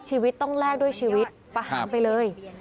ชีวิตต้องแลกด้วยชีวิตประหารไปเลย